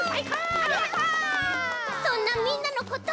そんなみんなのこと